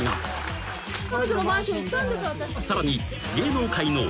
［さらに］